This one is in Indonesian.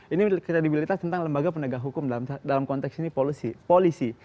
ini kredibilitas tentang lembaga penegak hukum dalam konteks ini polisi